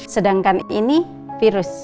sedangkan ini virus